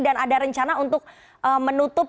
dan ada rencana untuk menutup